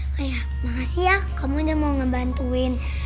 wah ya makasih ya kamu udah mau ngebantuin